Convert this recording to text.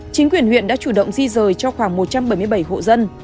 chính quyền huyện đã chủ động di rời cho khoảng một trăm bảy mươi bảy hộ dân